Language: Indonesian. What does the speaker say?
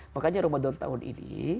makanya ramadan tahun ini